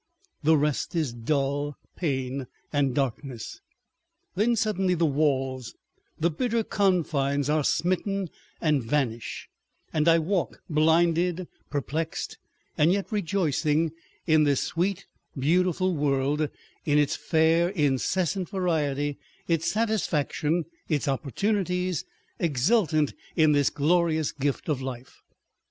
The rest is dull pain and darkness. Then suddenly the walls, the bitter confines, are smitten and vanish, and I walk, blinded, perplexed, and yet rejoicing, in this sweet, beautiful world, in its fair incessant variety, its satisfaction, its opportunities, exultant in this glorious gift of life.